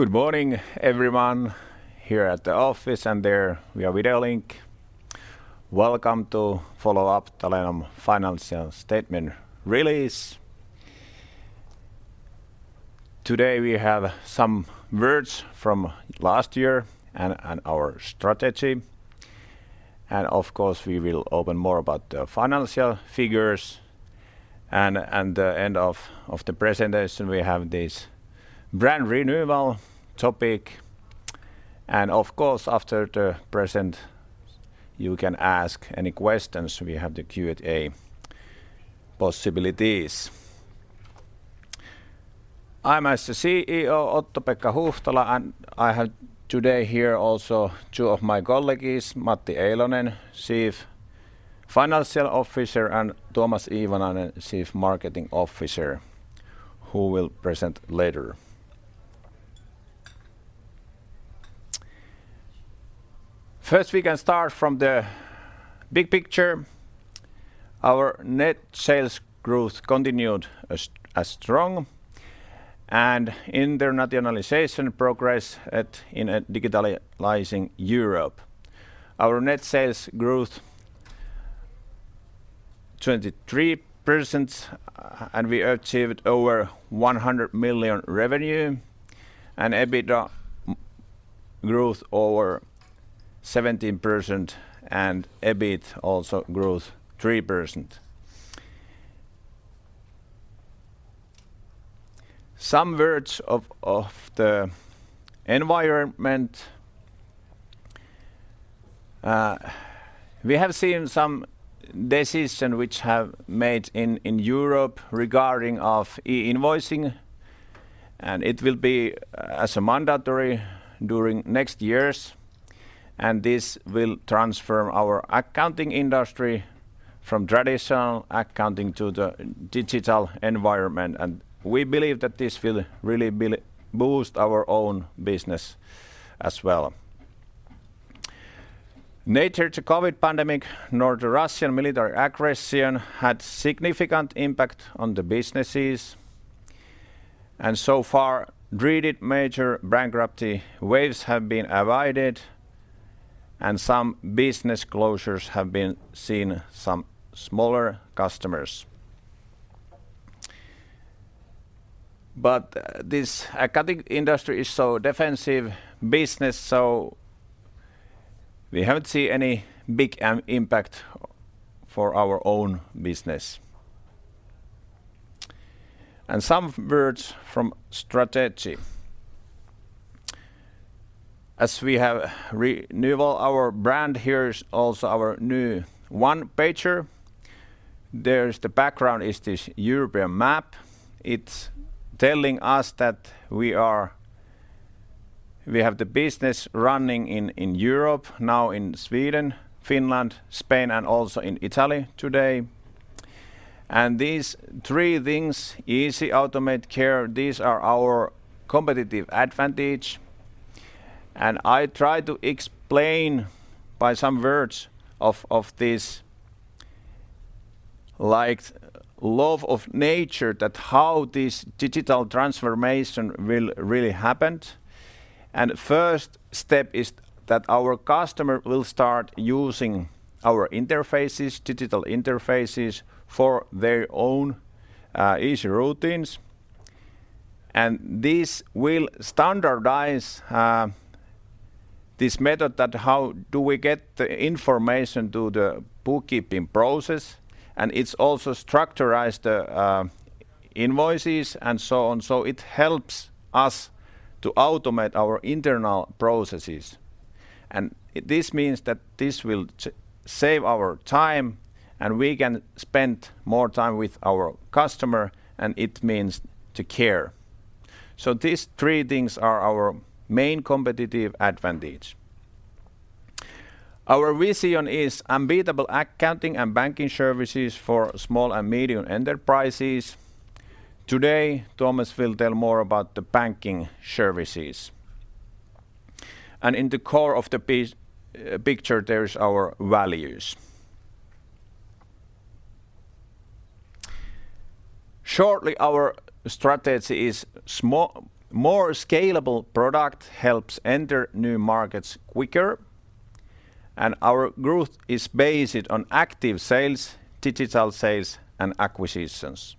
Good morning everyone here at the office and there via video link. Welcome to follow up TALENOM financial statement release. Today we have some words from last year and our strategy. Of course, we will open more about the financial figures, and the end of the presentation, we have this brand renewal topic. Of course, after the presentation, you can ask any questions, we have the Q&A possibilities. I'm as the CEO Otto-Pekka Huhtala, and I have today here also two of my colleagues, Matti Eilonen, Chief Financial Officer, and Tuomas Iivanainen, Chief Marketing Officer, who will present later. First, we can start from the big picture. Our net sales growth continued as strong and internationalization progress in a digitalizing Europe. Our net sales growth 23%, and we achieved over 100 million revenue and EBITDA growth over 17% and EBIT also growth 3%. Some words of the environment. We have seen some decision which have made in Europe regarding of e-invoicing, and it will be as a mandatory during next years, and this will transform our accounting industry from traditional accounting to the digital environment, and we believe that this will really build-boost our own business as well. Neither the COVID pandemic nor the Russian military aggression had significant impact on the businesses. So far, dreaded major bankruptcy waves have been avoided and some business closures have been seen some smaller customers. This accounting industry is so defensive business, so we haven't seen any big impact for our own business. Some words from strategy. As we have renewal our brand, here is also our new one-pager. There is the background is this European map. It's telling us that we have the business running in Europe now in Sweden, Finland, Spain, and also in Italy today. These three things, easy, automate, care, these are our competitive advantage. I try to explain by some words of this, like love of nature that how this digital transformation will really happen. First step is that our customer will start using our interfaces, digital interfaces for their own easy routines. This will standardize this method that how do we get the information to the bookkeeping process, and it's also structurize the invoices and so on. It helps us to automate our internal processes. This means that this will save our time and we can spend more time with our customer, and it means to care. These three things are our main competitive advantage. Our vision is unbeatable accounting and banking services for small and medium enterprises. Today, Tuomas will tell more about the banking services. In the core of the picture, there is our values. Shortly, our strategy is more scalable product helps enter new markets quicker, and our growth is based on active sales, digital sales, and acquisitions.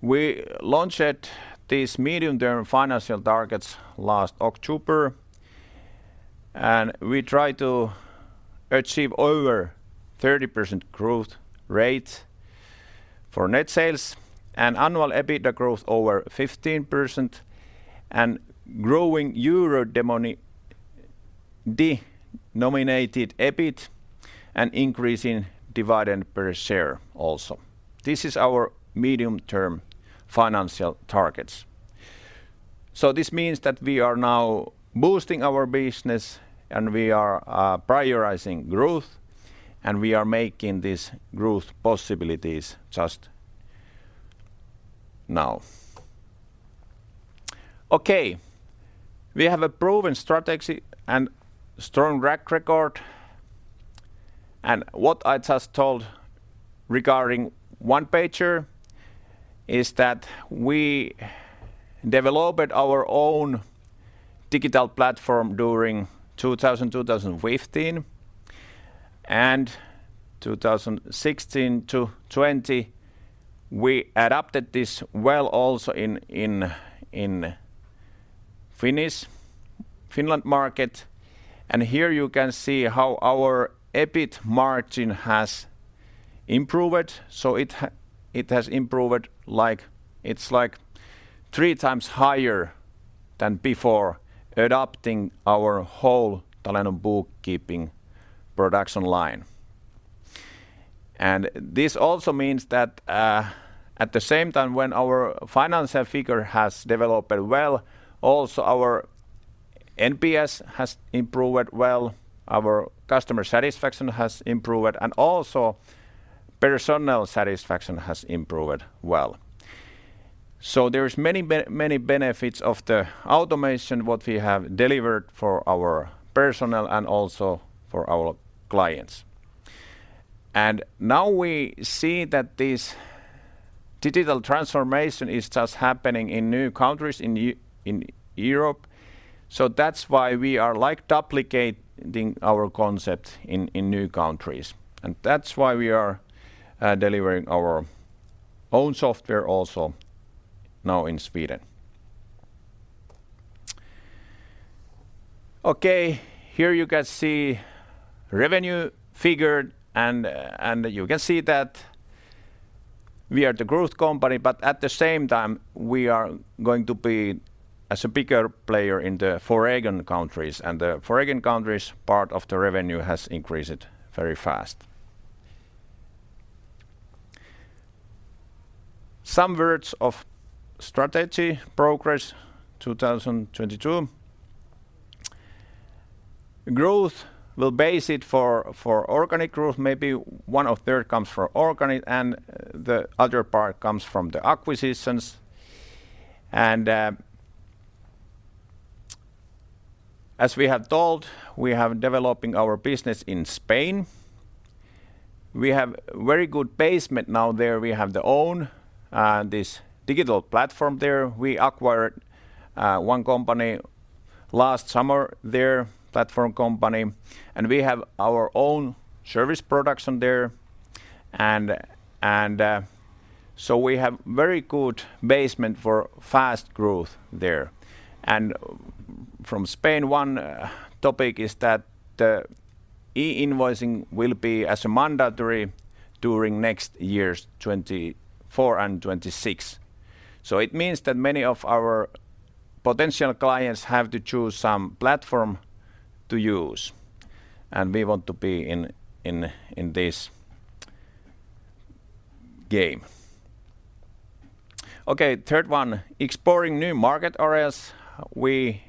We launched these medium-term financial targets last October, and we try to achieve over 30% growth rate for net sales, an annual EBITDA growth over 15%, and growing euro denominated EBIT, and increasing dividend per share also. This is our medium-term financial targets. This means that we are now boosting our business, and we are prioritizing growth, and we are making these growth possibilities just now. Okay. We have a proven strategy and strong track record. What I just told regarding one pager is that we developed our own digital platform during 2000, 2015. 2016 to 2020, we adapted this well also in Finnish, Finland market. Here you can see how our EBIT margin has improved. It has improved like, it's like three times higher than before adopting our whole TALENOM bookkeeping production line. This also means that, at the same time when our financial figure has developed well, also our NPS has improved well, our customer satisfaction has improved, and also personal satisfaction has improved well. There's many benefits of the automation, what we have delivered for our personal and also for our clients. Now we see that this digital transformation is just happening in new countries in Europe. That's why we are like duplicating our concept in new countries. That's why we are delivering our own software also now in Sweden. Here you can see revenue figured, and you can see that we are the growth company, but at the same time we are going to be as a bigger player in the foreign countries. The foreign countries part of the revenue has increased very fast. Some words of strategy progress 2022. Growth will base it for organic growth, maybe one-third comes from organic, and the other part comes from the acquisitions. As we have told, we have developing our business in Spain. We have very good basement now there. We have the own, this digital platform there. We acquired one company last summer there, platform company, and we have our own service production there. We have very good basement for fast growth there. From Spain, one topic is that the e-invoicing will be as a mandatory during next years 2024 and 2026. It means that many of our potential clients have to choose some platform to use, and we want to be in this game. Okay, third one, exploring new market areas. We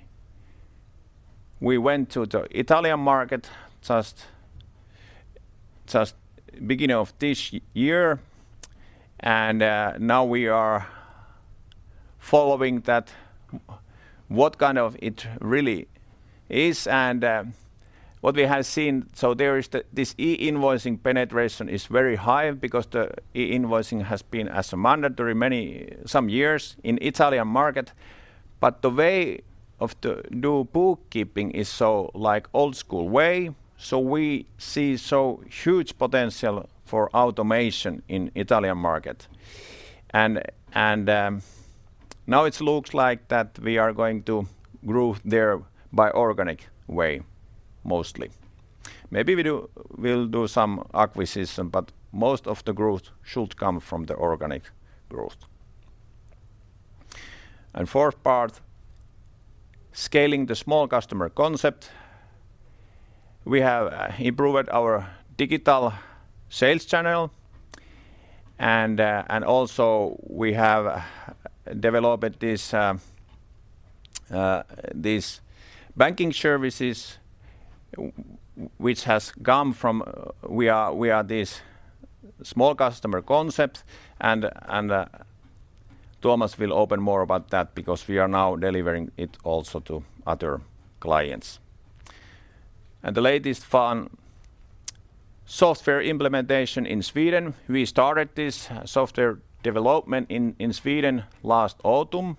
went to the Italian market just beginning of this year, and now we are following that, what kind of it really is and what we have seen. There is this e-invoicing penetration is very high because the e-invoicing has been as a mandatory many, some years in Italian market. The way of the new bookkeeping is so like old school way, so we see so huge potential for automation in Italian market. Now it looks like that we are going to grow there by organic way, mostly. Maybe we'll do some acquisition, but most of the growth should come from the organic growth. Fourth part, scaling the small customer concept. We have improved our digital sales channel, and also we have developed this banking services which has come from this small customer concept and Tuomas will open more about that because we are now delivering it also to other clients. The latest one, software implementation in Sweden. We started this software development in Sweden last autumn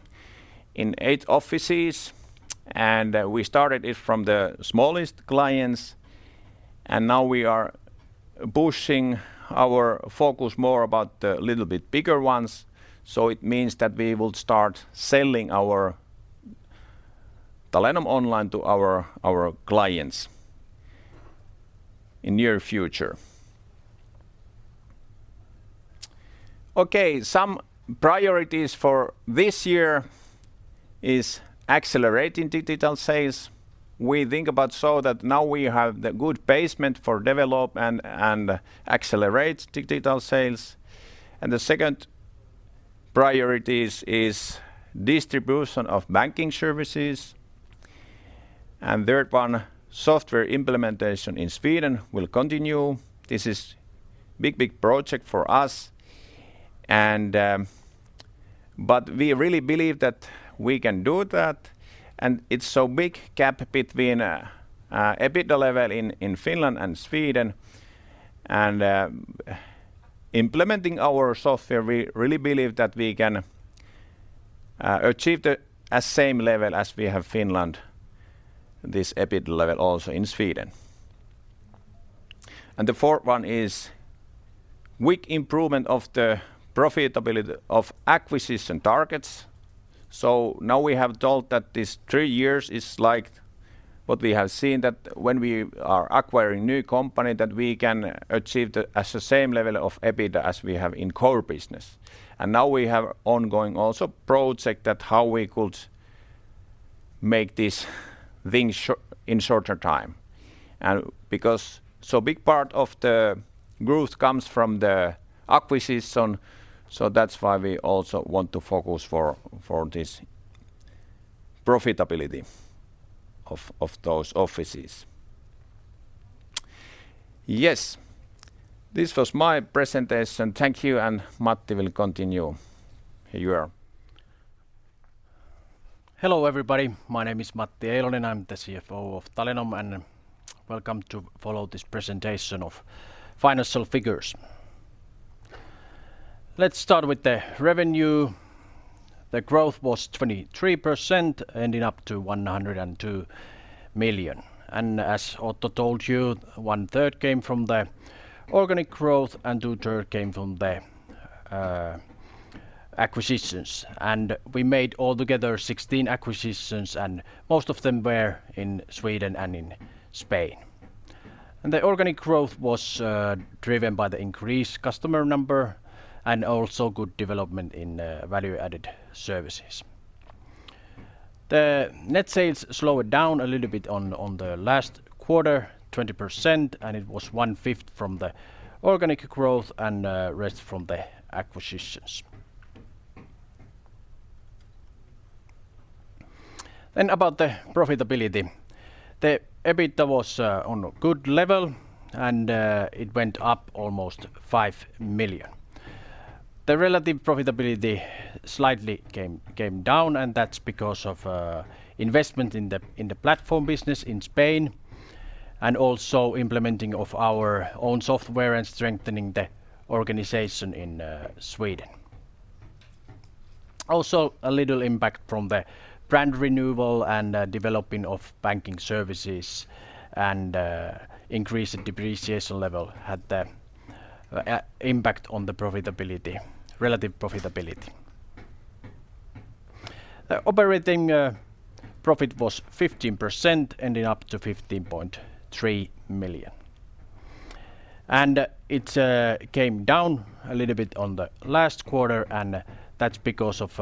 in 8 offices, and we started it from the smallest clients, and now we are pushing our focus more about the little bit bigger ones. It means that we will start selling our TALENOM Online to our clients in near future. Okay, some priorities for this year is accelerating digital sales. We think about so that now we have the good basement for develop and accelerate digital sales. The second priorities is distribution of banking services. Third one, software implementation in Sweden will continue. This is big project for us. We really believe that we can do that, and it's so big gap between EBITDA level in Finland and Sweden. Implementing our software, we really believe that we can achieve the as same level as we have Finland, this EBITDA level also in Sweden. The fourth one is weak improvement of the profitability of acquisition targets. Now we have told that this 3 years is like what we have seen that when we are acquiring new company, that we can achieve the as the same level of EBITDA as we have in core business. Now we have ongoing also project that how we could make this thing in shorter time. Because so big part of the growth comes from the acquisition, so that's why we also want to focus for this profitability of those offices. Yes. This was my presentation. Thank you, and Matti will continue. Here you are. Hello, everybody. My name is Matti Eilonen. I'm the CFO of TALENOM, welcome to follow this presentation of financial figures. Let's start with the revenue. The growth was 23%, ending up to 102 million. As Otto told you, one-third came from the organic growth and two-third came from the acquisitions. We made all together 16 acquisitions, most of them were in Sweden and in Spain. The organic growth was driven by the increased customer number and also good development in value-added services. The net sales slowed down a little bit on the last quarter, 20%, it was one-fifth from the organic growth and rest from the acquisitions. About the profitability. The EBITDA was on a good level, it went up almost 5 million. The relative profitability slightly came down, and that's because of investment in the platform business in Spain, and also implementing of our own software and strengthening the organization in Sweden. A little impact from the brand renewal and developing of banking services and increased depreciation level had the impact on the relative profitability. The operating profit was 15%, ending up to 15.3 million. It came down a little bit on the last quarter, and that's because of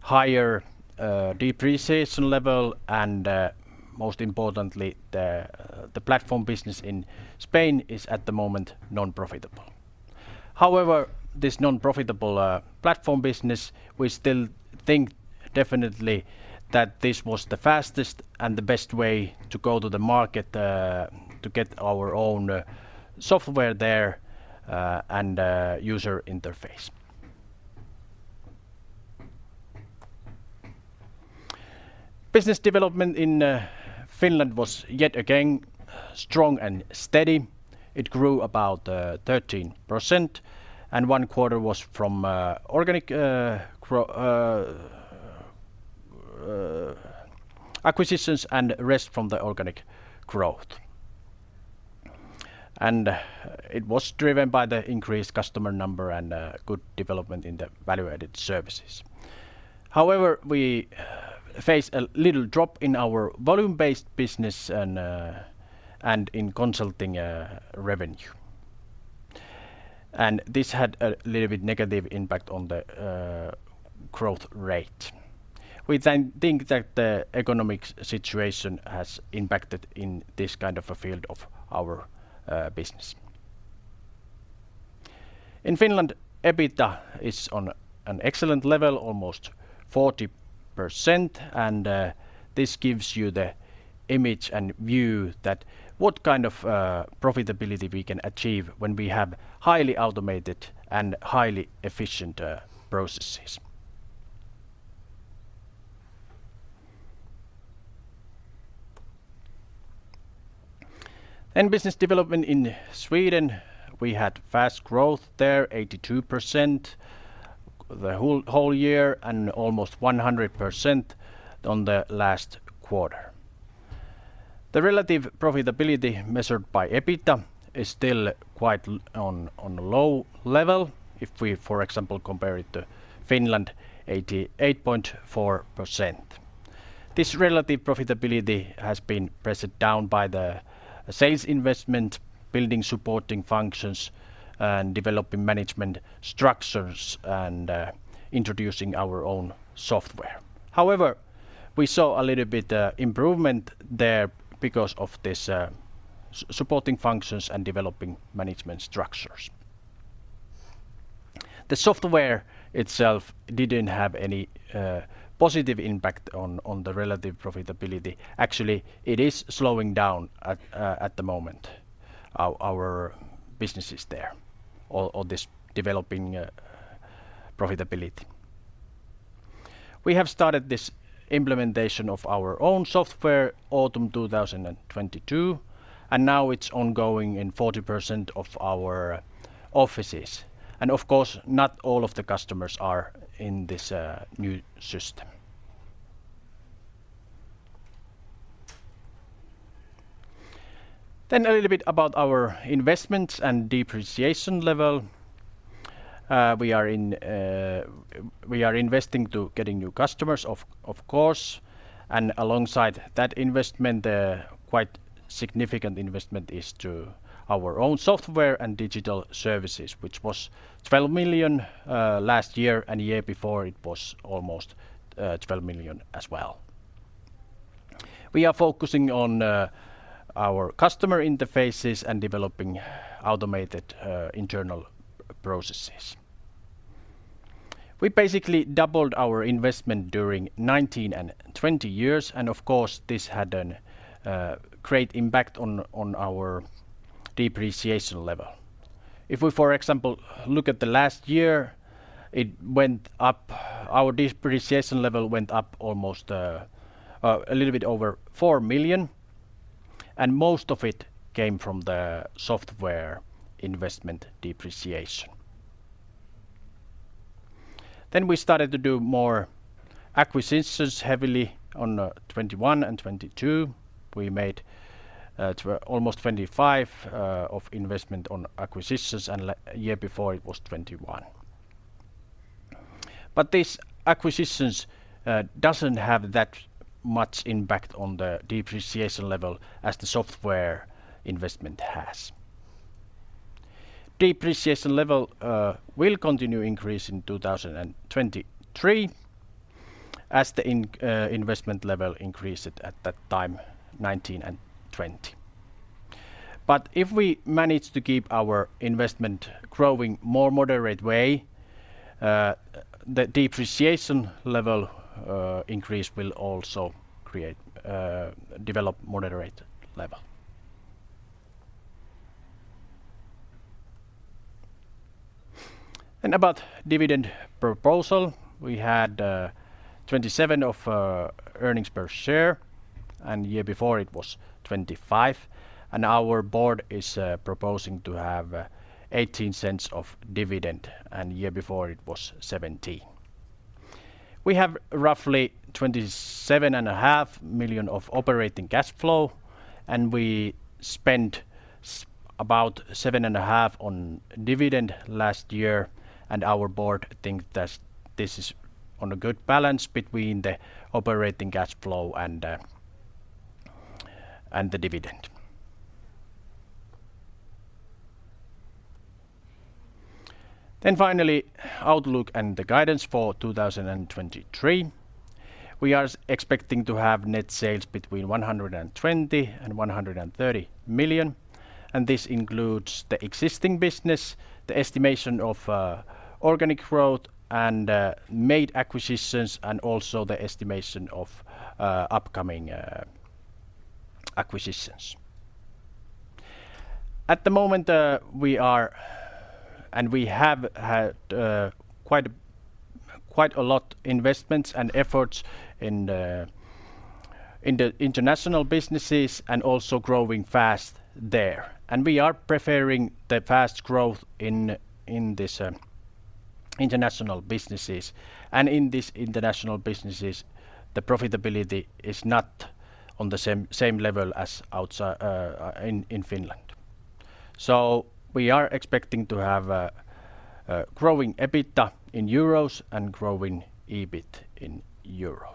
higher depreciation level and most importantly, the platform business in Spain is at the moment non-profitable. However, this non-profitable platform business, we still think definitely that this was the fastest and the best way to go to the market to get our own software there and user interface. Business development in Finland was yet again strong and steady. It grew about 13%. One quarter was from organic acquisitions and rest from the organic growth. It was driven by the increased customer number and good development in the value-added services. However, we face a little drop in our volume-based business and in consulting revenue. This had a little bit negative impact on the growth rate, which I think that the economic situation has impacted in this kind of a field of our business. In Finland, EBITDA is on an excellent level, almost 40%, and this gives you the image and view that what kind of profitability we can achieve when we have highly automated and highly efficient processes. Business development in Sweden, we had fast growth there, 82% the whole year and almost 100% on the last quarter. The relative profitability measured by EBITDA is still quite on low level if we, for example, compare it to Finland, 88.4%. This relative profitability has been pressed down by the sales investment, building supporting functions, and developing management structures and introducing our own software. However, we saw a little bit improvement there because of this supporting functions and developing management structures. The software itself didn't have any positive impact on the relative profitability. Actually, it is slowing down at the moment, our businesses there or this developing profitability. We have started this implementation of our own software autumn 2022, and now it's ongoing in 40% of our offices. Of course, not all of the customers are in this new system. A little bit about our investments and depreciation level. We are in, we are investing to getting new customers of course, alongside that investment, quite significant investment is to our own software and digital services, which was 12 million last year before it was almost 12 million as well. We are focusing on our customer interfaces and developing automated internal processes. We basically doubled our investment during 2019 and 2020. Of course, this had a great impact on our depreciation level. Our depreciation level went up almost a little bit over 4 million, and most of it came from the software investment depreciation. We started to do more acquisitions heavily on 2021 and 2022. We made almost 25 of investment on acquisitions, and year before it was 21. These acquisitions doesn't have that much impact on the depreciation level as the software investment has. Depreciation level will continue increase in 2023 as the investment level increased at that time, 2019 and 2020. If we manage to keep our investment growing more moderate way, the depreciation level increase will also create develop moderate level. About dividend proposal, we had 0.27 of earnings per share, and year before it was 0.25. Our board is proposing to have 0.18 of dividend, and year before it was 0.17. We have roughly 27.5 million of operating cash flow, and we spent about 7.5 million on dividend last year, and our board think that this is on a good balance between the operating cash flow and the dividend. Finally, outlook and the guidance for 2023. We are expecting to have net sales between 120 million and 130 million, and this includes the existing business, the estimation of organic growth, and made acquisitions, and also the estimation of upcoming acquisitions. At the moment, we are, and we have had, quite a lot investments and efforts in the international businesses and also growing fast there. We are preferring the fast growth in this international businesses. In these international businesses, the profitability is not on the same level as outside in Finland. We are expecting to have growing EBITDA in EUR and growing EBIT in EUR.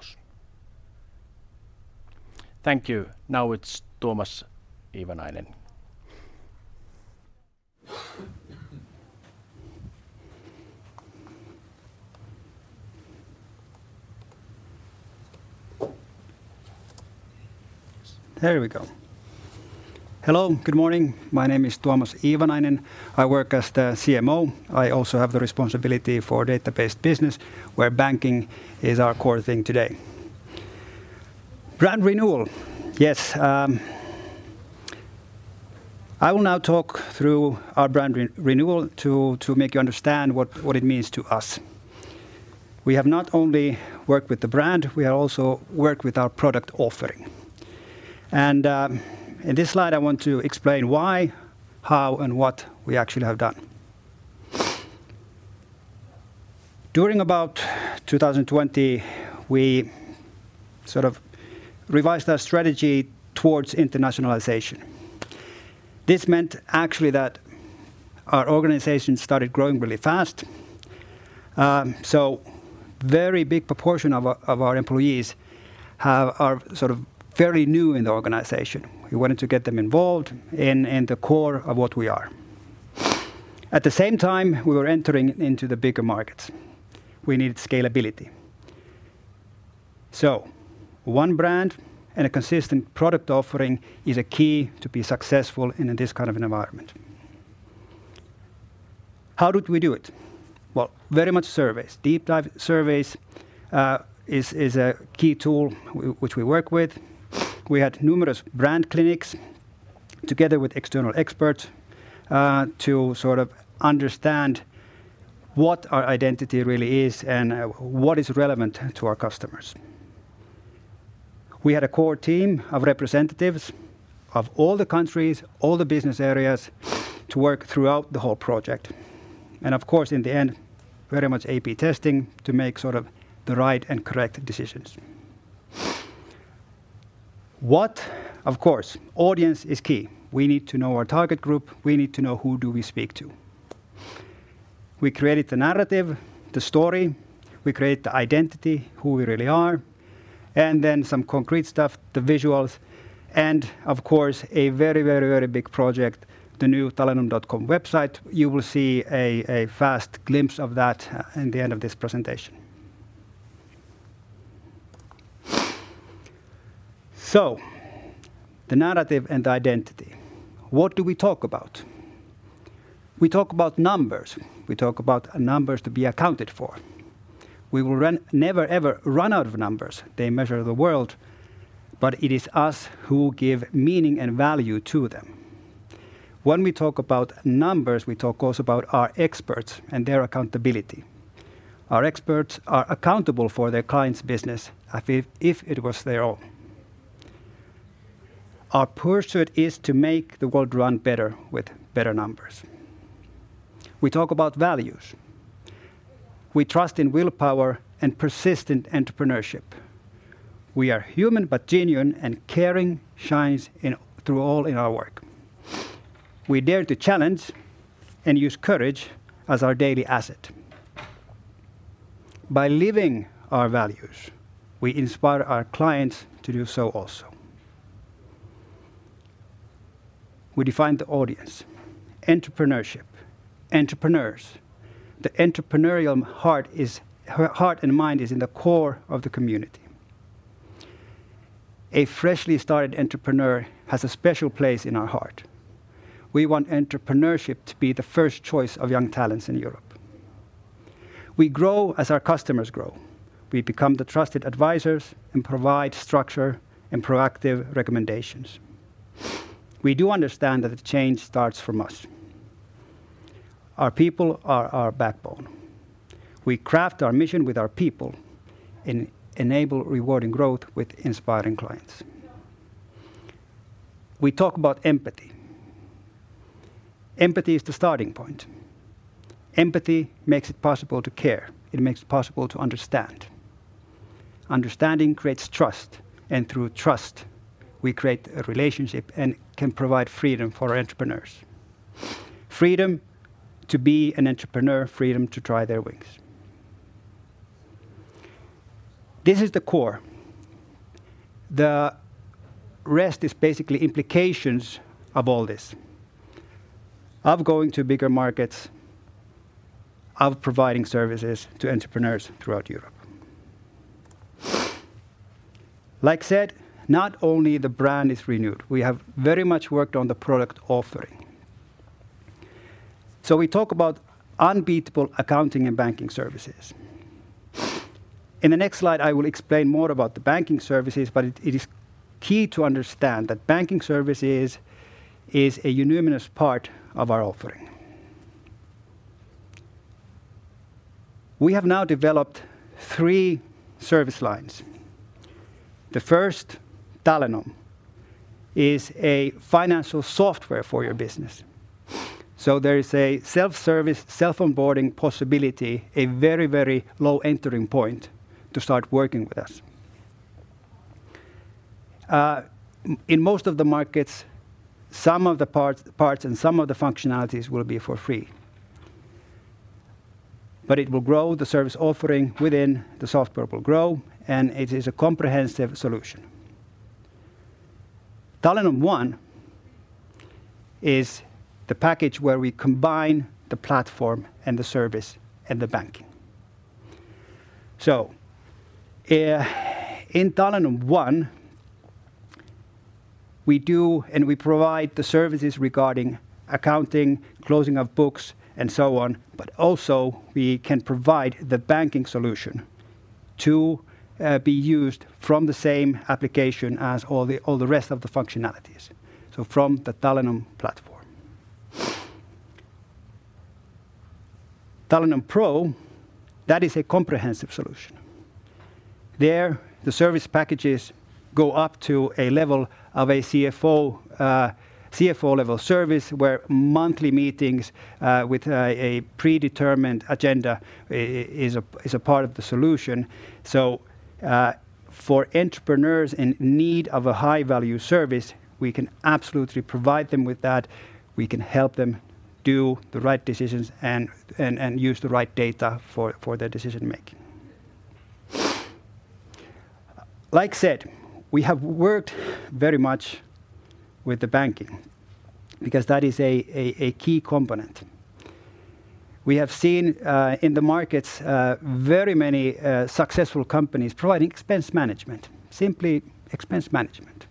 Thank you. Now it's Tuomas Iivanainen. There we go. Hello, good morning. My name is Tuomas Iivanainen. I work as the CMO. I also have the responsibility for database business, where banking is our core thing today. Brand renewal. Yes, I will now talk through our brand re-renewal to make you understand what it means to us. We have not only worked with the brand, we have also worked with our product offering. In this slide I want to explain why, how, and what we actually have done. During about 2020, we sort of revised our strategy towards internationalization. This meant actually that our organization started growing really fast. So very big proportion of our employees are sort of very new in the organization. We wanted to get them involved in the core of what we are. At the same time, we were entering into the bigger markets. We needed scalability. One brand and a consistent product offering is a key to be successful in this kind of an environment. How did we do it? Well, very much surveys. Deep dive surveys is a key tool which we work with. We had numerous brand clinics together with external experts to sort of understand what our identity really is and what is relevant to our customers. We had a core team of representatives of all the countries, all the business areas to work throughout the whole project. Of course, in the end, very much A/B testing to make sort of the right and correct decisions. What? Of course, audience is key. We need to know our target group. We need to know who do we speak to. We created the narrative, the story, we create the identity, who we really are, and then some concrete stuff, the visuals, and of course a very, very, very big project, the new TALENOM.com website. You will see a fast glimpse of that in the end of this presentation. The narrative and identity, what do we talk about? We talk about numbers. We talk about numbers to be accounted for. Never, ever run out of numbers. They measure the world, but it is us who give meaning and value to them. When we talk about numbers, we talk also about our experts and their accountability. Our experts are accountable for their clients' business as if it was their own. Our pursuit is to make the world run better with better numbers. We talk about values. We trust in willpower and persistent entrepreneurship. We are human. Genuine and caring shines in, through all in our work. We dare to challenge and use courage as our daily asset. By living our values, we inspire our clients to do so also. We define the audience, entrepreneurship, entrepreneurs. The entrepreneurial heart and mind is in the core of the community. A freshly started entrepreneur has a special place in our heart. We want entrepreneurship to be the first choice of young talents in Europe. We grow as our customers grow. We become the trusted advisors and provide structure and proactive recommendations. We do understand that the change starts from us. Our people are our backbone. We craft our mission with our people and enable rewarding growth with inspiring clients. We talk about empathy. Empathy is the starting point. Empathy makes it possible to care. It makes it possible to understand. Understanding creates trust, and through trust, we create a relationship and can provide freedom for our entrepreneurs. Freedom to be an entrepreneur, freedom to try their wings. This is the core. The rest is basically implications of all this, of going to bigger markets, of providing services to entrepreneurs throughout Europe. Like I said, not only the brand is renewed, we have very much worked on the product offering. We talk about unbeatable accounting and banking services. In the next slide, I will explain more about the banking services. It is key to understand that banking services is a unanimous part of our offering. We have now developed three service lines. The first, TALENOM, is a financial software for your business. There is a self-service, self-onboarding possibility, a very low entering point to start working with us. In most of the markets, some of the parts and some of the functionalities will be for free. It will grow, the service offering within the software will grow, and it is a comprehensive solution. TALENOM One is the package where we combine the platform and the service and the banking. In TALENOM One, we do, and we provide the services regarding accounting, closing of books, and so on, but also we can provide the banking solution to be used from the same application as all the, all the rest of the functionalities, so from the TALENOM platform. TALENOM Pro, that is a comprehensive solution. There, the service packages go up to a level of a CFO-level service, where monthly meetings with a predetermined agenda is a part of the solution. For entrepreneurs in need of a high-value service, we can absolutely provide them with that. We can help them do the right decisions and use the right data for their decision-making. Like said, we have worked very much with the banking because that is a key component. We have seen in the markets very many successful companies providing expense management, simply expense management,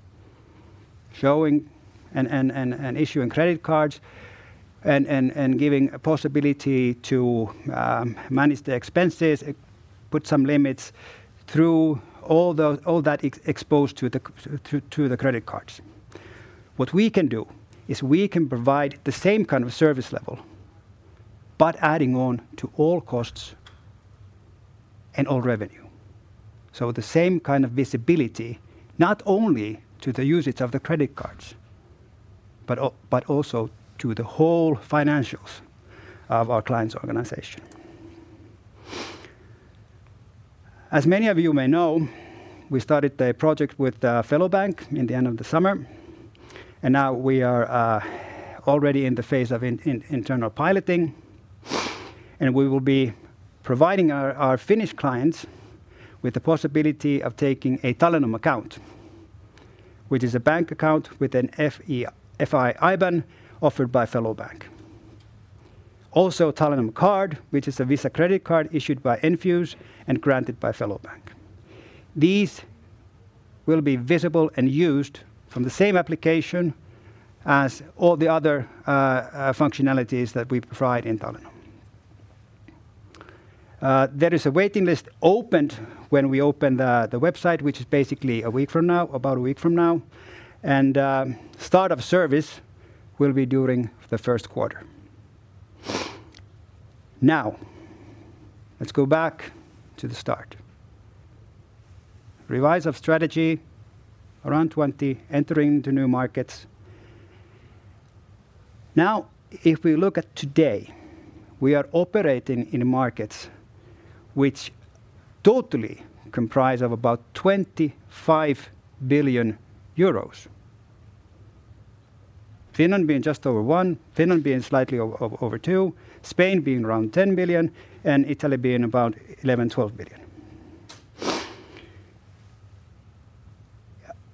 showing and issuing credit cards and giving a possibility to manage the expensesPut some limits through all that exposed to the credit cards. What we can do is we can provide the same kind of service level, but adding on to all costs and all revenue. The same kind of visibility, not only to the usage of the credit cards, but also to the whole financials of our client's organization. As many of you may know, we started the project with Säästöpankki in the end of the summer, and now we are already in the phase of internal piloting. We will be providing our Finnish clients with the possibility of taking a TALENOM Account, which is a bank account with an FI IBAN offered by Säästöpankki. Also, TALENOM Card, which is a Visa credit card issued by Enfuce and granted by Säästöpankki. These will be visible and used from the same application as all the other functionalities that we provide in TALENOM. There is a waiting list opened when we open the website, which is basically a week from now, about a week from now. Start of service will be during the Q1. Let's go back to the start. Revise of strategy around 2020, entering the new markets. If we look at today, we are operating in markets which totally comprise of about 25 billion euros. Finland being just over 1 billion, Finland being slightly over 2 billion, Spain being around 10 billion, and Italy being about 11 billion-12 billion.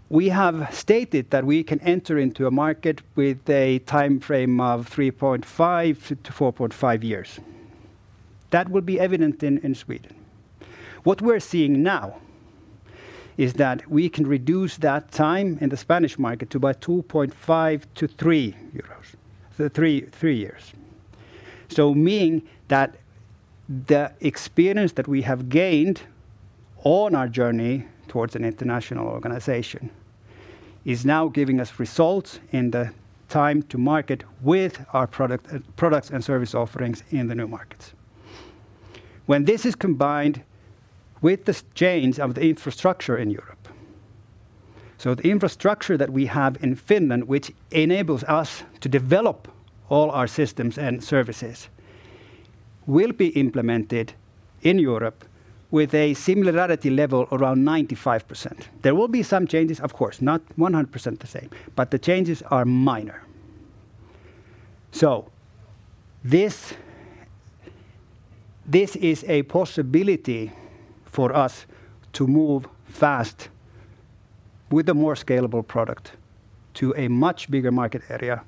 We have stated that we can enter into a market with a timeframe of 3.5-4.5 years. That will be evident in Sweden. What we're seeing now is that we can reduce that time in the Spanish market to about 2.5-3 years. Meaning that the experience that we have gained on our journey towards an international organization is now giving us results in the time to market with our products and service offerings in the new markets. When this is combined with the change of the infrastructure in Europe. The infrastructure that we have in Finland, which enables us to develop all our systems and services, will be implemented in Europe with a similarity level around 95%. There will be some changes, of course, not 100% the same, but the changes are minor. This, this is a possibility for us to move fast with a more scalable product to a much bigger market area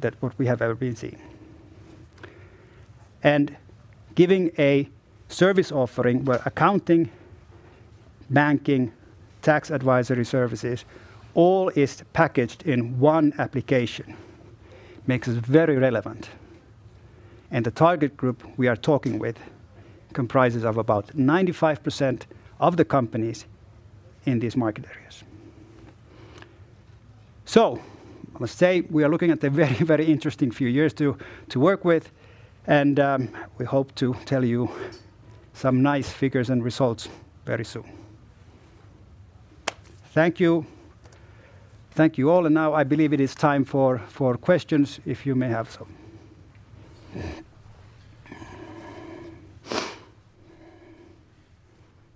that what we have ever been seeing. Giving a service offering where accounting, banking, tax advisory services, all is packaged in one application makes us very relevant. The target group we are talking with comprises of about 95% of the companies in these market areas. I must say, we are looking at a very, very interesting few years to work with, we hope to tell you some nice figures and results very soon. Thank you. Thank you all. Now I believe it is time for questions, if you may have some.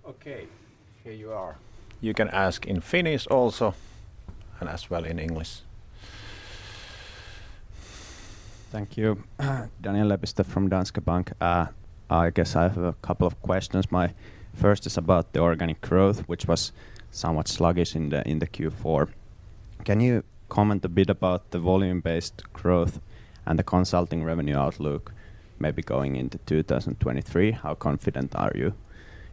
Okay, here you are. You can ask in Finnish also, and as well in English. Thank you. Daniel Lepistö from Danske Bank. I guess I have a couple of questions. My first is about the organic growth, which was somewhat sluggish in the Q4. Can you comment a bit about the volume-based growth and the consulting revenue outlook maybe going into 2023? How confident are you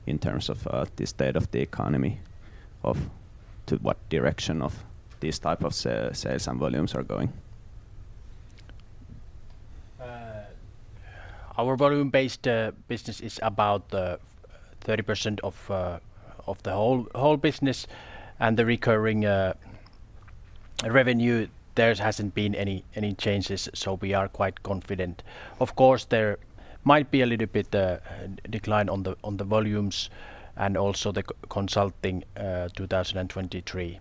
in terms of the state of the economy of to what direction of these type of sales and volumes are going? Our volume-based business is about 30% of the whole business. The recurring revenue, there hasn't been any changes, we are quite confident. Of course, there might be a little bit decline on the volumes and also the consulting 2023.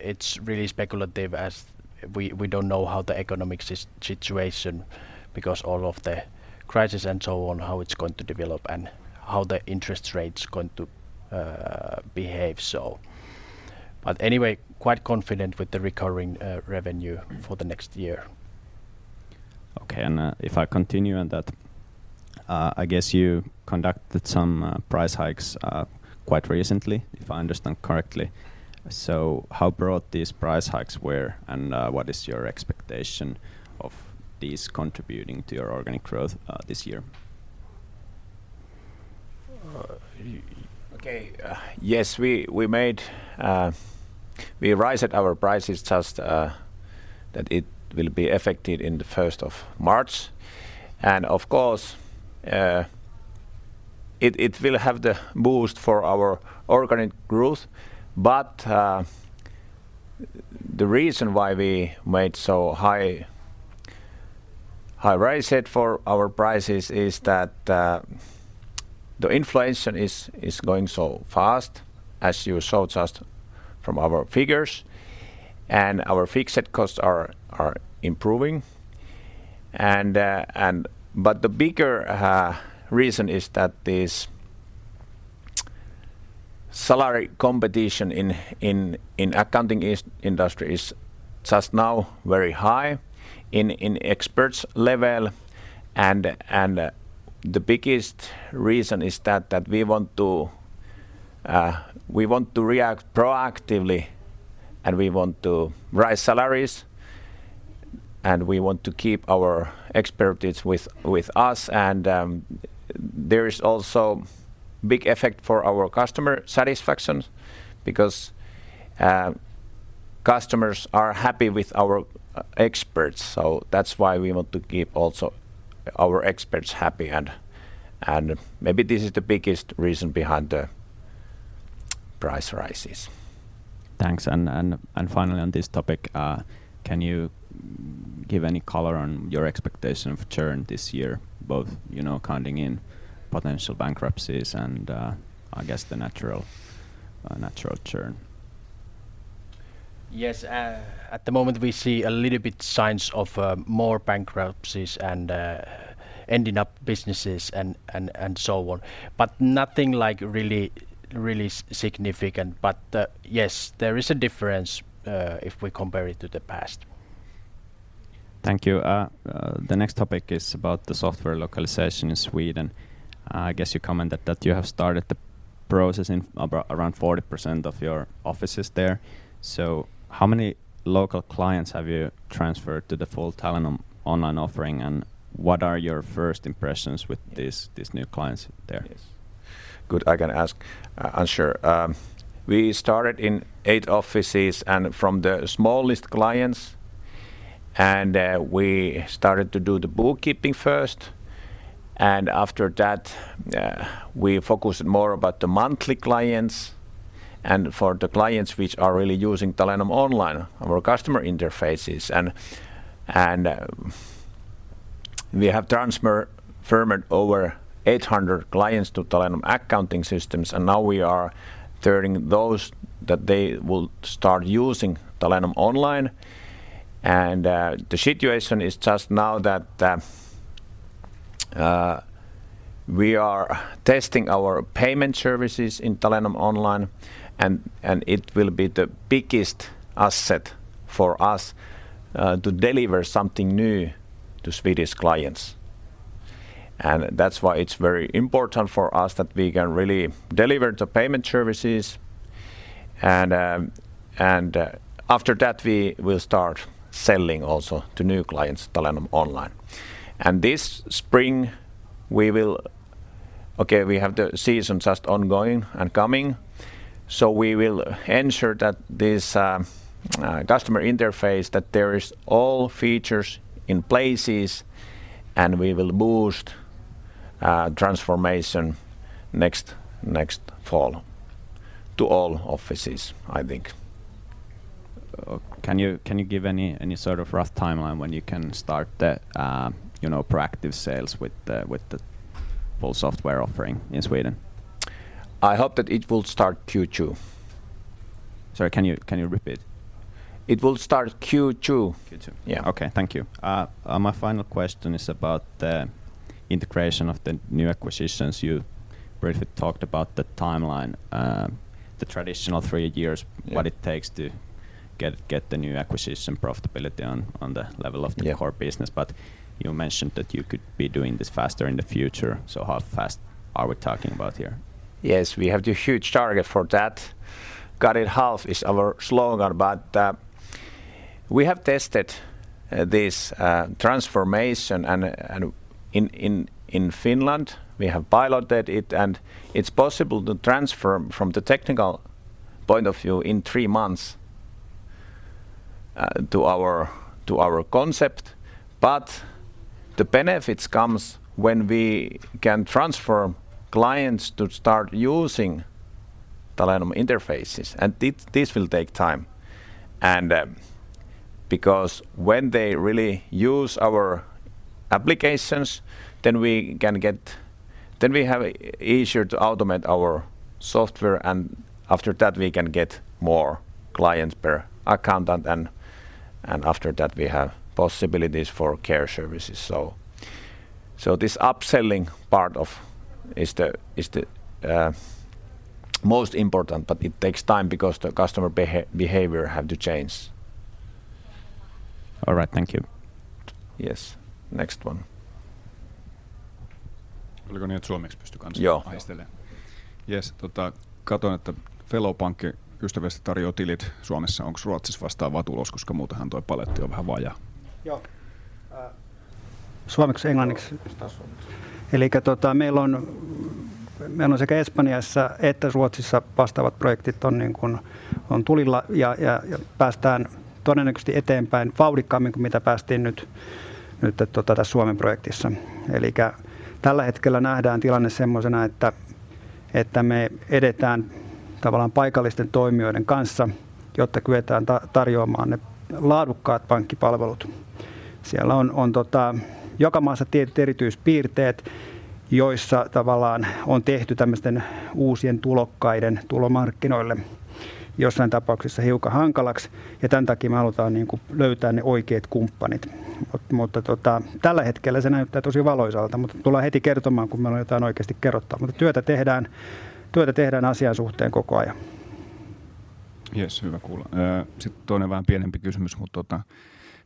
It's really speculative as we don't know how the economic situation because all of the crisis and so on, how it's going to develop and how the interest rate's going to behave, so. Anyway, quite confident with the recurring revenue for the next year. Okay, if I continue on that, I guess you conducted some price hikes quite recently, if I understand correctly. How broad these price hikes were, and what is your expectation of these contributing to your organic growth this year? Okay. Yes, we made. We rise at our prices just that it will be effective in the first of March. Of course, it will have the boost for our organic growth, but the reason why we made so high rise it for our prices is that the inflation is going so fast as you saw just from our figures, and our fixed costs are improving. But the bigger reason is that this salary competition in accounting industry is just now very high in experts level. The biggest reason is that we want to react proactively, and we want to rise salaries, and we want to keep our expertise with us. There is also big effect for our customer satisfaction because customers are happy with our e-experts, so that's why we want to keep also our experts happy. Maybe this is the biggest reason behind the price rises. Thanks. Finally on this topic, can you give any color on your expectation of churn this year, both, you know, counting in potential bankruptcies and, I guess the natural churn? Yes. At the moment, we see a little bit signs of more bankruptcies and ending up businesses and so on. Nothing like really, really significant. Yes, there is a difference if we compare it to the past. Thank you. The next topic is about the software localization in Sweden. I guess you commented that you have started the processing around 40% of your offices there. How many local clients have you transferred to the full TALENOM Online offering, and what are your first impressions with these new clients there? Yes. Good. I can ask answer. We started in 8 offices and from the smallest clients, we started to do the bookkeeping first. After that, we focused more about the monthly clients and for the clients which are really using TALENOM Online, our customer interfaces. We have transferred firmed over 800 clients to TALENOM accounting systems, and now we are turning those that they will start using TALENOM Online. The situation is just now that we are testing our payment services in TALENOM Online, and it will be the biggest asset for us to deliver something new to Swedish clients. That's why it's very important for us that we can really deliver the payment services and after that, we will start selling also to new clients TALENOM Online. This spring, we will ensure that this customer interface, that there is all features in places, and we will boost transformation next fall to all offices, I think. Can you give any sort of rough timeline when you can start the, you know, proactive sales with the full software offering in Sweden? I hope that it will start Q2. Sorry, can you repeat? It will start Q2. Q2. Yeah. Okay, thank you. My final question is about the integration of the new acquisitions. You briefly talked about the timeline, the traditional three years. Yeah... what it takes to get the new acquisition profitability on the level of- Yeah... the core business. You mentioned that you could be doing this faster in the future. How fast are we talking about here? Yes, we have the huge target for that. Cut it half is our slogan, but we have tested this transformation and in Finland, we have piloted it, and it's possible to transfer from the technical point of view in three months to our concept. The benefits comes when we can transfer clients to start using TALENOM interfaces, and this will take time. Because when they really use our applications, then we have easier to automate our software, and after that, we can get more clients per accountant, and after that, we have possibilities for care services. This upselling part of is the most important, but it takes time because the customer behavior have to change. All right. Thank you. Yes. Next one. Yeah. Uh, Suomeksi, englanniksi? Elikkä tota meil on sekä Espanjassa että Ruotsissa vastaavat projektit on niin kun, on tulilla ja päästään todennäköisesti eteenpäin vauhdikkaammin kuin mitä päästiin nyt tota täs Suomen projektissa. Elikkä tällä hetkellä nähdään tilanne semmosena, että me edetään tavallaan paikallisten toimijoiden kanssa, jotta kyetään tarjoamaan ne laadukkaat pankkipalvelut. Siellä on tota joka maassa tietyt erityispiirteet, joissa tavallaan on tehty tämmösten uusien tulokkaiden tulo markkinoille jossain tapauksessa hiukan hankalaks, ja tän takii me halutaan niinku löytää ne oikeat kumppanit. Tota tällä hetkellä se näyttää tosi valoisalta, mutta tullaan heti kertomaan, kun meil on jotain oikeasti kerrottavaa. Työtä tehdään asian suhteen koko ajan. Jes, hyvä kuulla. toinen vähän pienempi kysymys, mut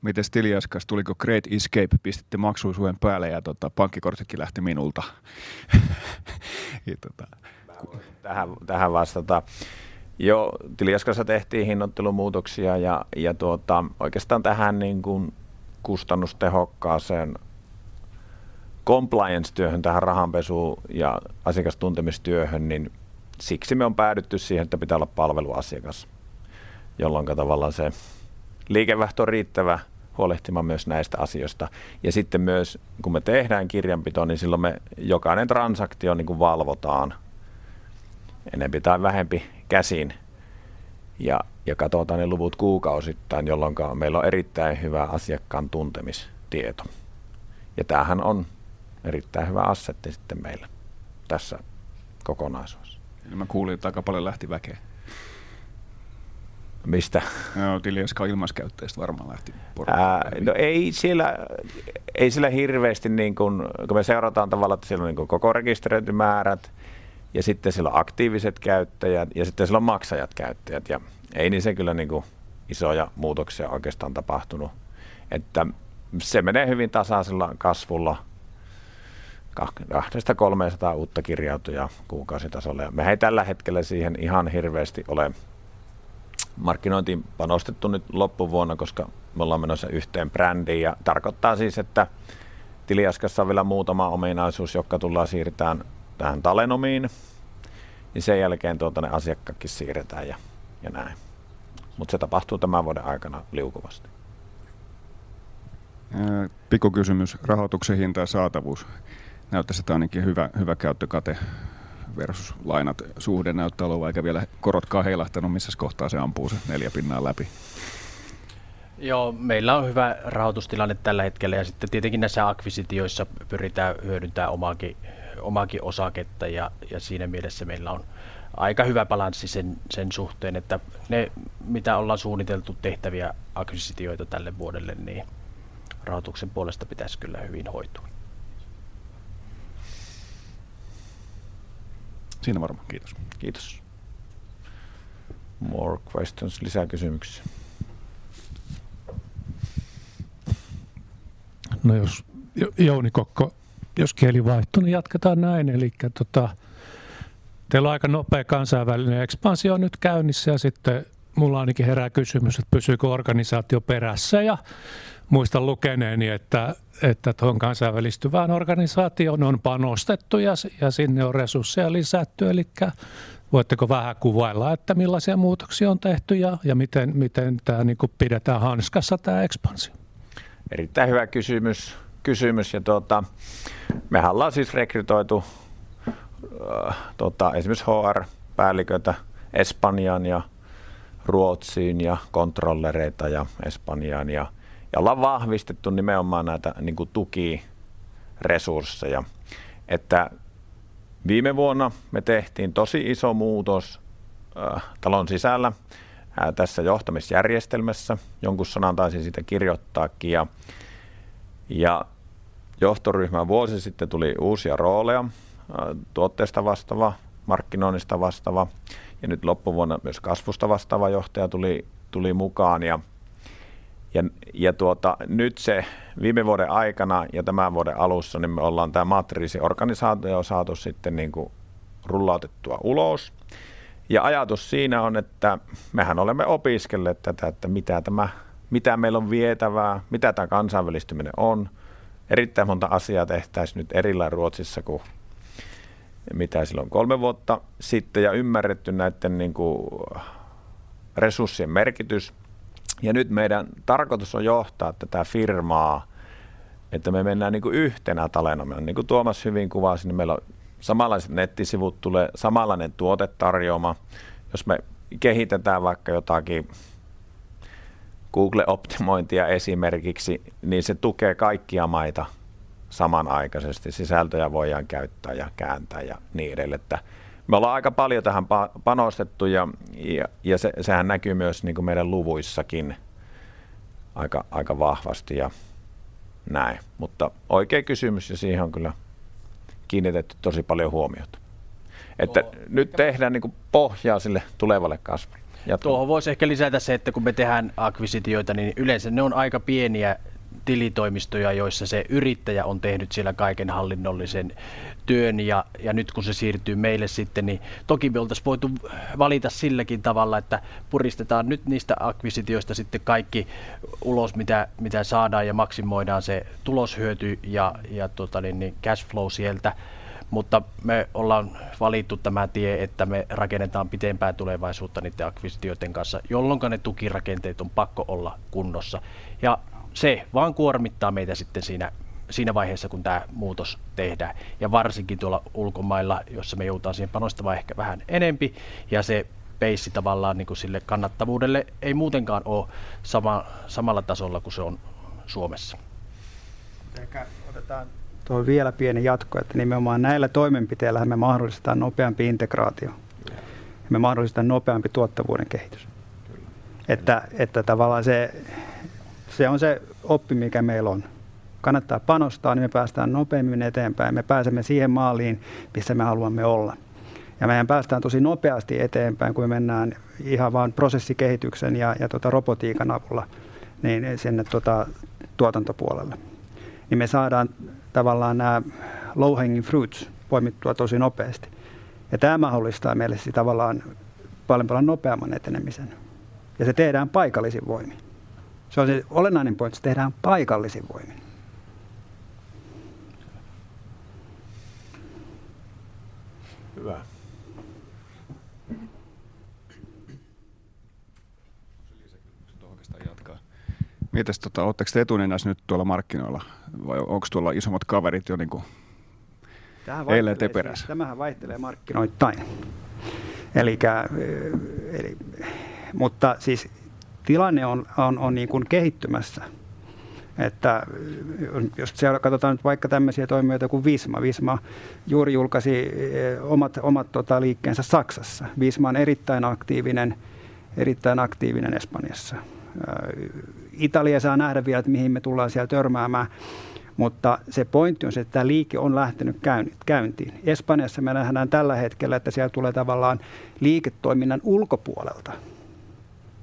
mites Tiliaska? Tuliko great escape? Pistitte maksullisuuden päälle ja pankkikortitkin lähti minulta. Mä voin tähän vastata. Tiliaskassa tehtiin hinnoittelumuutoksia ja tuota oikeastaan tähän niinkun kustannustehokkaaseen compliance-työhön, tähän rahanpesu- ja asiakastuntemistyöhön, niin siksi me on päädytty siihen, että pitää olla palveluasiakas, jolloinka tavallaan se liikevaihto on riittävä huolehtimaan myös näistä asioista. Sitten myös kun me tehdään kirjanpito, niin silloin me jokainen transaktio niinku valvotaan enempi tai vähempi käsin ja katotaan ne luvut kuukausittain, jolloinka meil on erittäin hyvä asiakkaan tuntemistieto. Tähän on erittäin hyvä asset sitten meillä tässä kokonaisuudessa. Mä kuulin, että aika paljon lähti väkee. Mistä? Tiliaskan ilmaiskäyttäjistä varmaan lähti. no ei siellä, ei siellä hirveesti niinkun kun me seurataan tavallaan, et siellä on niinku koko rekisteröintimäärät ja sitten siellä on aktiiviset käyttäjät ja sitten siellä on maksajat käyttäjät ja ei niissä kyllä niinku isoja muutoksia oikeastaan tapahtunut, että se menee hyvin tasaisella kasvulla. 200-300 uutta kirjautuja kuukausitasolla ja me ei tällä hetkellä siihen ihan hirveesti ole markkinointiin panostettu nyt loppuvuonna, koska me ollaan menossa yhteen brändiin. Tarkoittaa siis, että Tiliaskassa on vielä muutama ominaisuus, jotka tullaan siirtämään tähän TALENOMiin, niin sen jälkeen tuota ne asiakkaatkin siirretään ja näin, se tapahtuu tämän vuoden aikana liukuvasti. Pikkukysymys. Rahoituksen hinta ja saatavuus. Näyttäis, että ainakin hyvä käyttökate versus lainat suhde näyttää olevan, eikä vielä korotkaan heilahtanu. Missäs kohtaa se ampuu sen 4% läpi? Joo, meillä on hyvä rahoitustilanne tällä hetkellä ja sitten tietenkin näissä akvisitioissa pyritään hyödyntää omaakin osaketta ja siinä mielessä meillä on aika hyvä balanssi sen suhteen, että ne mitä ollaan suunniteltu tehtäviä akvisitioita tälle vuodelle, niin rahoituksen puolesta pitäis kyllä hyvin hoitua. Siinä varmaan. Kiitos. Kiitos. More questions. Lisää kysymyksiä. No jos Jouni Kokko, jos kieli vaihtuu, niin jatketaan näin. Elikkä tota teillä on aika nopee kansainvälinen ekspansio nyt käynnissä ja sitten mulla ainakin herää kysymys, että pysyykö organisaatio perässä? Muistan lukeneeni, että tuohon kansainvälistyvään organisaatioon on panostettu ja sinne on resursseja lisätty. Elikkä voitteko vähän kuvailla, että millaisia muutoksia on tehty ja miten tää niinku pidetään hanskassa tää ekspansio? Erittäin hyvä kysymys ja mehän ollaan siis rekrytoitu esimerkiks HR-päälliköitä Espanjaan ja Ruotsiin ja controllereita ja Espanjaan ja ollaan vahvistettu nimenomaan näitä niinku tukiresursseja. Että viime vuonna me tehtiin tosi iso muutos talon sisällä tässä johtamisjärjestelmässä. Jonkun sanan taisin siitä kirjoittaakin ja johtoryhmään 1 vuosi sitten tuli uusia rooleja. tuotteista vastaava, markkinoinnista vastaava ja nyt loppuvuonna myös kasvusta vastaava johtaja tuli mukaan ja tuota nyt se viime vuoden aikana ja tämän vuoden alussa, niin me ollaan tää matriisiorganisaatio saatu sitten niinku rullautettua ulos ja ajatus siinä on, että mehän olemme opiskelleet tätä, että mitä tämä, mitä meillä on vietävää, mitä tää kansainvälistyminen on. Erittäin monta asiaa tehtäis nyt eri lailla Ruotsissa ku mitä silloin 3 vuotta sitten ja ymmärretty näitten niinku resurssien merkitys. Nyt meidän tarkoitus on johtaa tätä firmaa, että me mennään niinku yhtenä TALENOMia. Kuin Tuomas hyvin kuvasi, niin meillä on samanlaiset nettisivut, tulee samanlainen tuotetarjooma. Me kehitetään vaikka jotakin Google-optimointia esimerkiksi, niin se tukee kaikkia maita samanaikaisesti. Sisältöjä voidaan käyttää ja kääntää ja niin edelleen. Me ollaan aika paljon tähän panostettu ja sehän näkyy myös niinku meidän luvuissakin. Aika vahvasti ja näin. Oikea kysymys ja siihen on kyllä kiinnitetty tosi paljon huomiota, että nyt tehdään pohjaa sille tulevalle kasvulle ja. Tuohon voisi ehkä lisätä se, että kun me tehdään akvisitioita, niin yleensä ne on aika pieniä tilitoimistoja, joissa se yrittäjä on tehnyt siellä kaiken hallinnollisen työn ja. Nyt kun se siirtyy meille sitten, niin toki me oltaisiin voitu valita silläkin tavalla, että puristetaan nyt niistä akvisitioista sitten kaikki ulos mitä saadaan ja maksimoidaan se tuloshyöty ja tota niin niin cashflow sieltä. Me ollaan valittu tämä tie, että me rakennetaan pitempää tulevaisuutta niiden akvisitioiden kanssa, jolloinka ne tukirakenteet on pakko olla kunnossa ja se vaan kuormittaa meitä sitten siinä vaiheessa kun tämä muutos tehdään. Varsinkin tuolla ulkomailla, jossa me joudutaan siihen panostamaan ehkä vähän enempi ja se peissi tavallaan sille kannattavuudelle ei muutenkaan ole samalla tasolla kuin se on Suomessa. Ehkä otetaan tuo vielä pieni jatko, että nimenomaan näillä toimenpiteillähän me mahdollistetaan nopeampi integraatio ja me mahdollistetaan nopeampi tuottavuuden kehitys. Että tavallaan se on se oppi mikä meillä on. Kannattaa panostaa, niin me päästään nopeammin eteenpäin. Me pääsemme siihen maaliin, missä me haluamme olla ja mehän päästään tosi nopeasti eteenpäin, kun me mennään ihan vaan prosessikehityksen ja robotiikan avulla niin sinne tuotantopuolelle niin me saadaan tavallaan nämä low hanging fruits poimittua tosi nopeasti ja tämä mahdollistaa meille siis tavallaan paljon nopeamman etenemisen ja se tehdään paikallisin voimin. Se on se olennainen points. Tehdään paikallisin voimin. Hyvä. Lisäkysymyksen tuohon oikeastaan jatkaa. Mites tota oletteko te etunimissä nyt tuolla markkinoilla vai onko tuolla isommat kaverit jo niinku teidän perässä? Tämähän vaihtelee markkinoittain. Siis tilanne on niin kuin kehittymässä, että jos siellä katsotaan nyt vaikka tämmöisiä toimijoita kuin Visma. Visma juuri julkaisi omat liikkeensä Saksassa. Visma on erittäin aktiivinen Espanjassa. Italiassa saa nähdä vielä mihin me tullaan siellä törmäämään, se pointti on se, että tämä liike on lähtenyt käyntiin Espanjassa. Me nähdään tällä hetkellä, että sieltä tulee tavallaan liiketoiminnan ulkopuolelta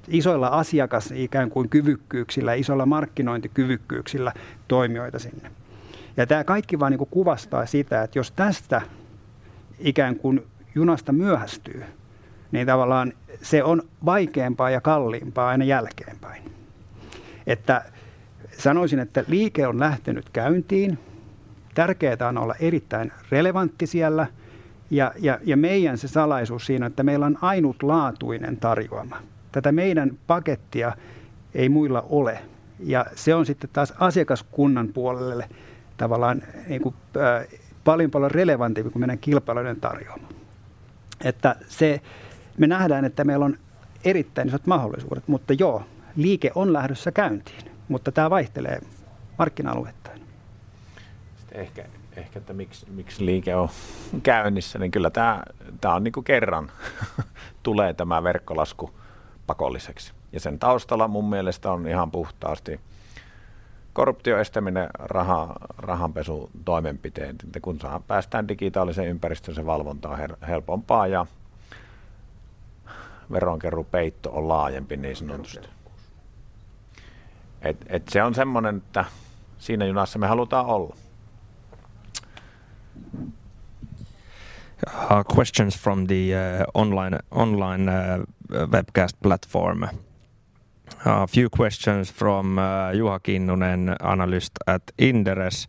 isoilla asiakas ikään kuin kyvykkyyksillä, isoilla markkinointikyvykkyyksillä toimijoita sinne. Tämä kaikki vaan kuvastaa sitä, että jos tästä ikään kuin junasta myöhästyy, niin tavallaan se on vaikeampaa ja kalliimpaa aina jälkeenpäin. Sanoisin, että liike on lähtenyt käyntiin. Tärkeätä on olla erittäin relevantti siellä ja meidän se salaisuus siinä, että meillä on ainutlaatuinen tarjoama. Tätä meidän pakettia ei muilla ole ja se on sitten taas asiakaskunnan puolelle tavallaan niinku paljon relevantimpi kuin meidän kilpailijoiden tarjooma, että se me nähdään, että meillä on erittäin isot mahdollisuudet. Joo, liike on lähdössä käyntiin, mutta tämä vaihtelee markkina alueittain. Ehkä. Ehkä että miksi? Miksi liike on käynnissä? Kyllä tämä on niin kuin kerran tulee tämä verkkolasku pakolliseksi ja sen taustalla mun mielestä on ihan puhtaasti korruption estäminen. Rahanpesu toimenpiteet. Kun päästään digitaaliseen ympäristöön, se valvonta on helpompaa ja veronkeruupeitto on laajempi niin sanotusti. Se on semmoinen, että siinä junassa me halutaan olla. Questions from the online webcast platform. A few questions from Juha Kinnunen, Analyst at Inderes.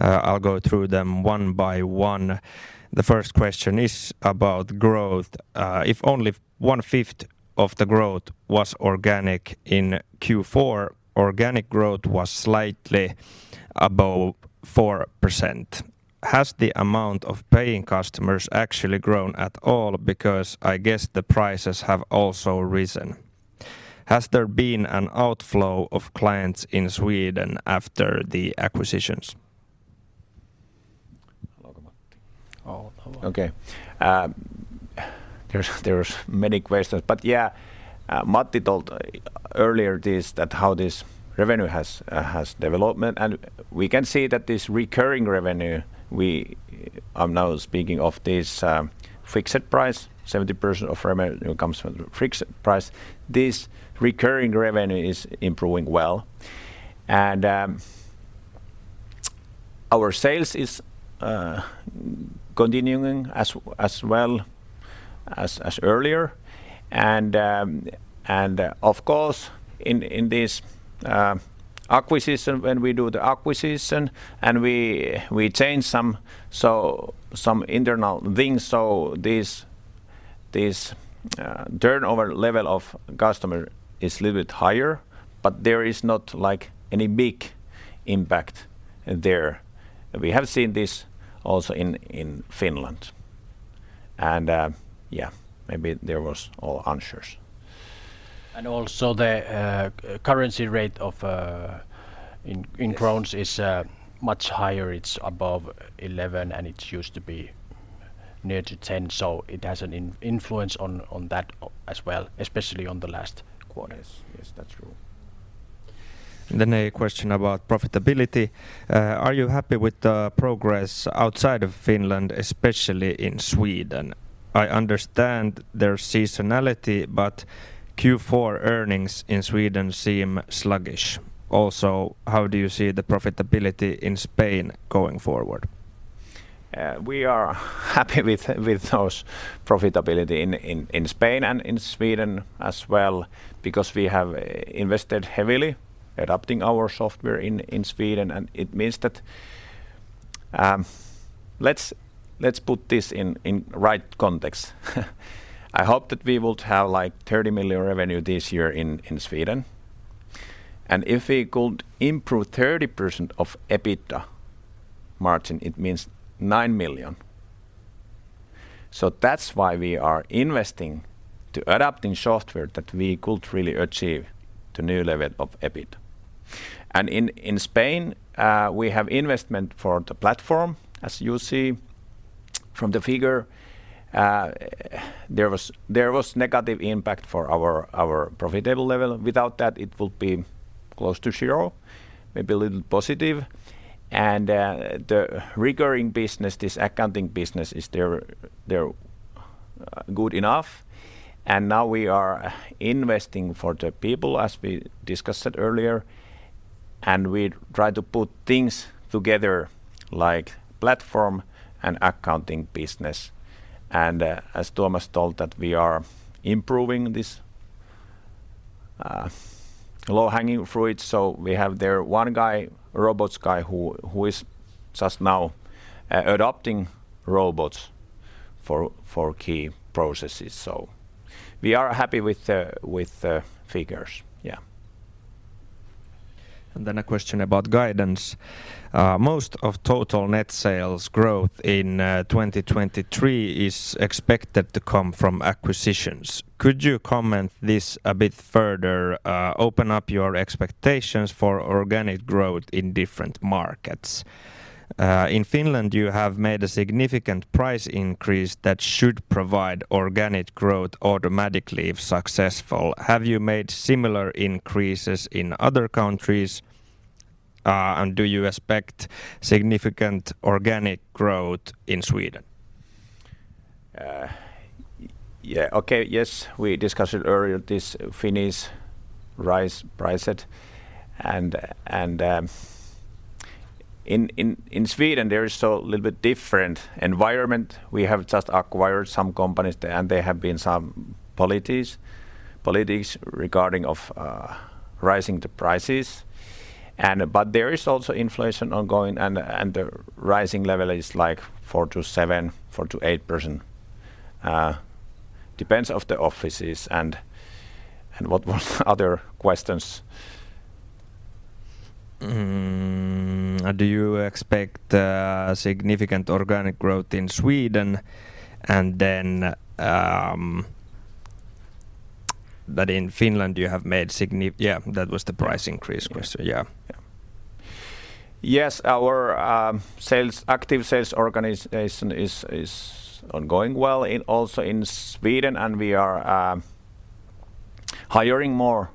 I'll go through them one by one. The first question is about growth. If only 1/5 of the growth was organic. In Q4, organic growth was slightly above 4%. Has the amount of paying customers actually grown at all? I guess the prices have also risen. Has there been an outflow of clients in Sweden after the acquisitions? Aloita Matti. Okay, there's many questions. Yeah. Matti told earlier this that how this revenue has development and we can see that this recurring revenue we are now speaking of this fixed price 70% of revenue comes from fixed price. This recurring revenue is improving well. Our sales is continuing as well as earlier and of course in this acquisition when we do the acquisition and we change some internal things. This turnover level of customer is little bit higher, but there is not like any big impact there. We have seen this also in Finland. Yeah, maybe there was all answers. Also the currency rate in crowns is much higher. It's above 11 and it's used to be 8. Near to ten, it has an influence on that, as well, especially on the last quarters. Yes. Yes, that's true. A question about profitability. Are you happy with the progress outside of Finland, especially in Sweden? I understand their seasonality, but Q4 earnings in Sweden seem sluggish. Also, how do you see the profitability in Spain going forward? We are happy with those profitability in Spain and in Sweden as well because we have invested heavily adapting our software in Sweden. Let's put this in right context. I hope that we would have, like, 30 million revenue this year in Sweden. If we could improve 30% of EBITDA margin, it means 9 million. That's why we are investing to adapting software that we could really achieve the new level of EBITDA. In Spain, we have investment for the platform, as you see from the figure. There was negative impact for our profitable level. Without that, it would be close to zero, maybe a little positive. The recurring business, this accounting business is good enough. Now we are investing for the people, as we discussed it earlier, and we try to put things together like platform and accounting business. As Tuomas told that we are improving this low-hanging fruit, we have there one guy, robots guy, who is just now adapting robots for key processes. We are happy with the figures. Yeah. A question about guidance. Most of total net sales growth in 2023 is expected to come from acquisitions. Could you comment this a bit further, open up your expectations for organic growth in different markets? In Finland, you have made a significant price increase that should provide organic growth automatically if successful. Have you made similar increases in other countries, and do you expect significant organic growth in Sweden? Yeah, okay. Yes, we discussed it earlier, this Finnish rise, price set. In Sweden there is so little bit different environment. We have just acquired some companies there, and there have been some politics regarding of rising the prices. There is also inflation ongoing and the rising level is, like, 4%-7%, 4%-8%. Depends of the offices and what was other questions? Do you expect significant organic growth in Sweden? That in Finland you have made. Yeah, that was the price increase question. Yeah. Yeah. Yeah. Yes. Our sales, active sales organization is ongoing well in, also in Sweden. We are hiring more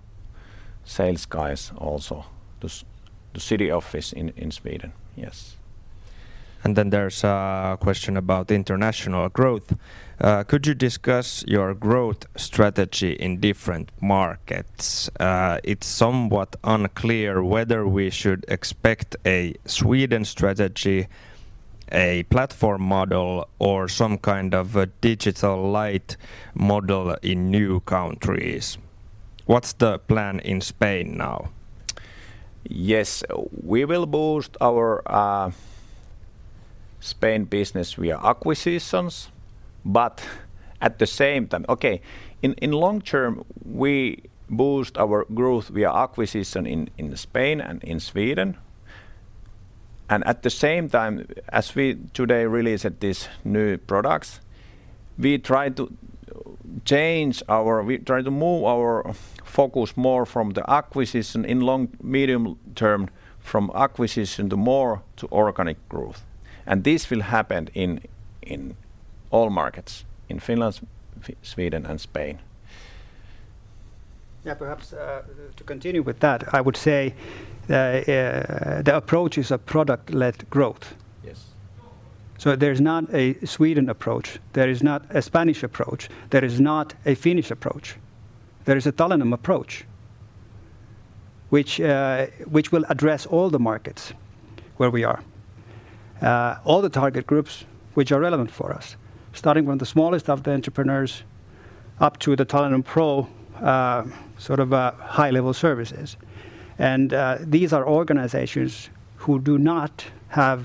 sales guys also to the city office in Sweden. Yes. There's a question about international growth. Could you discuss your growth strategy in different markets? It's somewhat unclear whether we should expect a Sweden strategy, a platform model, or some kind of a digital light model in new countries. What's the plan in Spain now? Yes. We will boost our Spain business via acquisitions. At the same time, in long term, we boost our growth via acquisition in Spain and in Sweden. At the same time, as we today released these new products, we try to move our focus more from the acquisition in long, medium term from acquisition to more to organic growth. This will happen in all markets, in Finland, Sweden, and Spain. Perhaps, to continue with that, I would say, the approach is a product-led growth. Yes. There's not a Sweden approach. There is not a Spanish approach. There is not a Finnish approach. There is a TALENOM approach, which will address all the markets where we are, all the target groups which are relevant for us, starting from the smallest of the entrepreneurs up to the TALENOM Pro, sort of, high-level services. These are organizations who do not have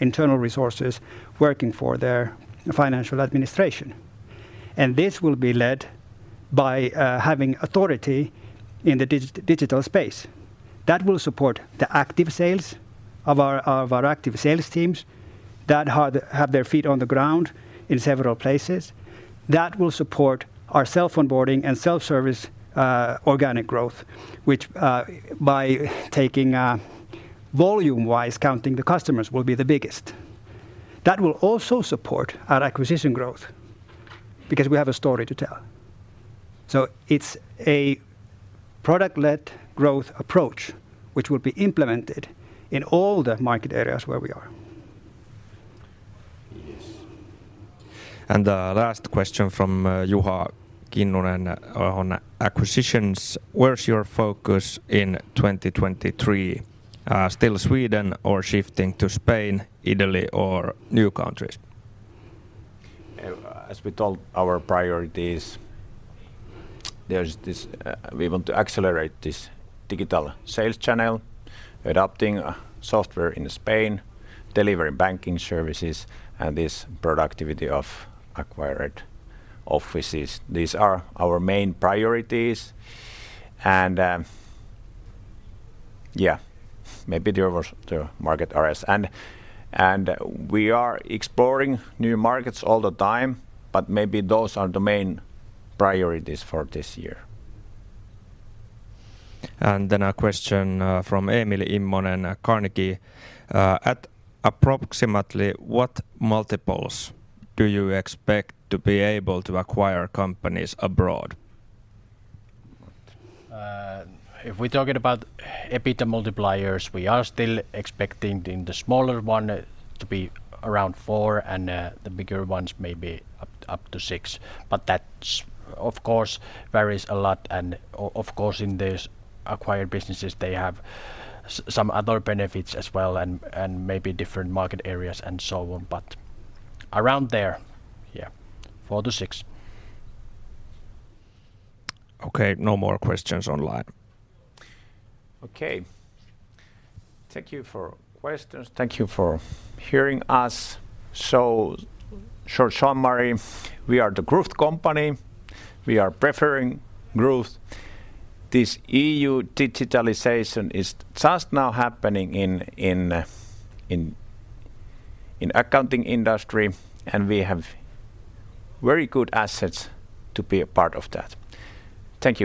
internal resources working for their financial administration, and this will be led by having authority in the digital space. That will support the active sales of our active sales teams that have their feet on the ground in several places. That will support our self-onboarding and self-service organic growth, which by taking volume-wise counting the customers will be the biggest. That will also support our acquisition growth because we have a story to tell. It's a product-led growth approach which will be implemented in all the market areas where we are. Yes. The last question from Juha Kinnunen on acquisitions. Where's your focus in 2023? Still Sweden or shifting to Spain, Italy or new countries? As we told our priorities, there's this, we want to accelerate this digital sales channel, adopting a software in Spain, delivering banking services and this productivity of acquired offices. These are our main priorities. Yeah, maybe the market RS. We are exploring new markets all the time, but maybe those are the main priorities for this year. A question from Emilia Immonen at Carnegie. At approximately what multiples do you expect to be able to acquire companies abroad? If we're talking about EBITDA multipliers, we are still expecting in the smaller one to be around 4 and the bigger ones maybe up to 6. That's of course varies a lot and of course in this acquired businesses they have some other benefits as well and maybe different market areas and so on. Around there, yeah, 4-6. Okay, no more questions online. Thank you for questions. Thank you for hearing us. Short summary, we are the growth company. We are preferring growth. This EU digitalization is just now happening in accounting industry, we have very good assets to be a part of that. Thank you.